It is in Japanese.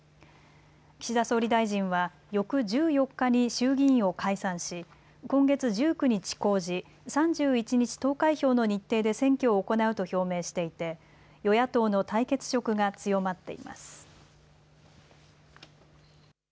岸田総理大臣は翌１４日に衆議院を解散し今月１９日公示、３１日投開票の日程で選挙を行うと表明していて与野党の対決色が強まっています。